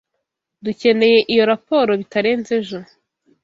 Dukeneye iyo raporo bitarenze ejo.